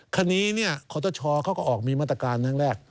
คราวนี้ขอตชเขาก็ออกมีมาตรการทั้งแรก